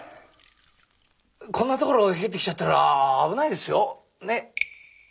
こんな所入ってきちゃったら危ないですよ。ね？